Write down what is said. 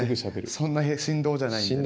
そんな神童じゃないんでね。